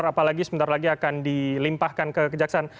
apalagi sebentar lagi akan dilimpahkan kekejaksaan